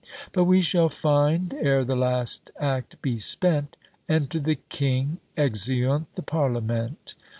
But we shall find, ere the last act be spent, _Enter the King, exeunt the Parliament.